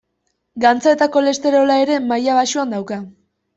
Gantza eta kolesterola ere maila baxuan dauka.